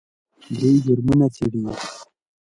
دوی جرمونه څیړي.